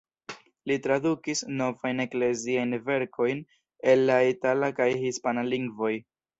Li tradukis novajn ekleziajn verkojn el la itala kaj hispana lingvoj.